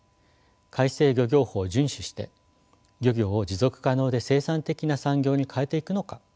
改正漁業法を順守して漁業を持続可能で生産的な産業にかえていくのか。